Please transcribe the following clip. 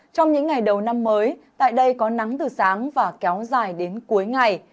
trong những ngày đầu năm mới tại đây có nắng từ sáng và kéo dài đến cuối ngày